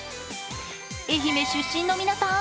愛媛出身の皆さん